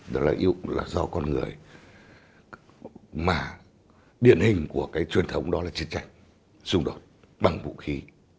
đó là do con người mà điển hình của cái truyền thống đó là chiến tranh xung đột bằng vũ khí